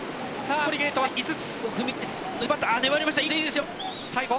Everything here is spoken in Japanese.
残るゲートは５つ。